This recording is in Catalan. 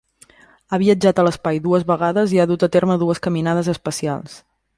Ha viatjat a l'espai dues vegades i ha dut a terme dues caminades espacials.